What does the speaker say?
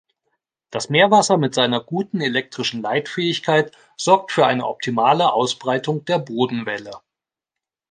Das Meerwasser mit seiner guten elektrischen Leitfähigkeit sorgt für eine optimale Ausbreitung der Bodenwelle.